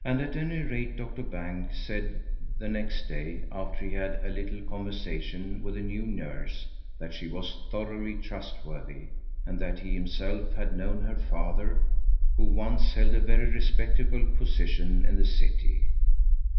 At any rate Doctor Banks said the next day, after he had had a little conversation with the new nurse, that she was thoroughly trustworthy, and that he himself had known her father, who once held a very respectable position in the city.